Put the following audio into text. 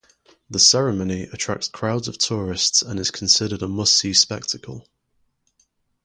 The ceremony attracts crowds of tourists and is considered a must-see spectacle.